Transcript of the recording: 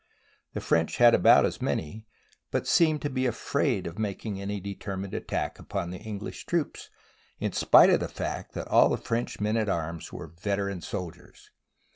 The French had about as many, but seemed to be afraid of making any determined at tack upon the English troops in spite of the fact that all the French men at arms were veteran sol diers.